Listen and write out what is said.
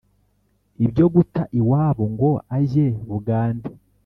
ibyo guta iwabo ngo ajye bugande